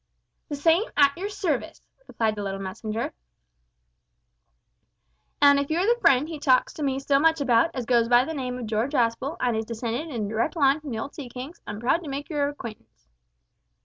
"The same, at your service," replied the small messenger; "an' if you are the friend he talks to me so much about, as goes by the name of George Aspel, an' is descended in a direct line from the old sea kings, I'm proud to make your acquaintance."